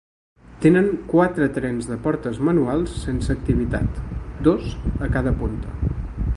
Tenen quatre trens de portes manuals sense activitat, dos a cada punta.